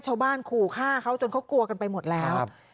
ชาวบ้านครูฆ่าเขาจนเขากลวกันไปหมดแล้ว